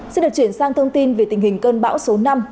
xin được chuyển sang thông tin về tình hình cơn bão số năm